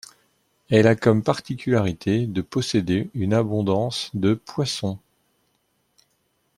Elle a comme particularité de posséder une abondance de poissons.